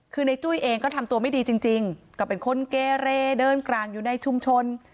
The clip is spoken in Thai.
คือในจุ้ยเองก็ทำตัวไม่ดีจริงก็เป็นคนเกเรเดินกลางอยู่ในชุมชน